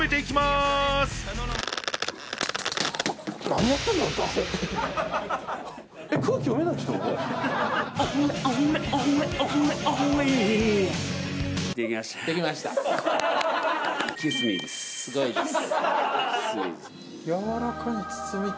すごいです